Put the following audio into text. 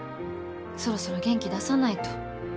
そろそろ元気出さないと。